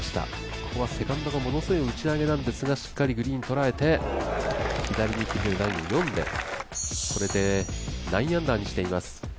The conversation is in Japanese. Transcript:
ここはセカンドがものすごい打ち上げなんですがしっかりグリーンをとらえて左に来るライン読んで、これで９アンダーにしています。